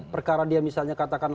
perkara dia misalnya katakan